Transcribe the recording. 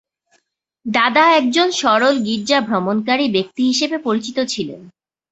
দাদা একজন সরল গির্জা ভ্রমণকারী ব্যক্তি হিসাবে পরিচিত ছিলেন।